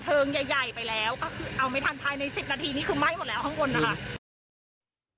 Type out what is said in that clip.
ก็คือเอาไม่ทันภายใน๑๐นาทีนี้คือไหม้หมดแล้วข้างบนนะคะ